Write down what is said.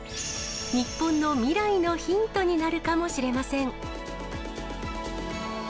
日本の未来のヒントになるかもしれません。